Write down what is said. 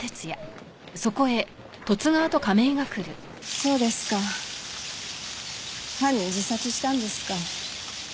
そうですか犯人自殺したんですか。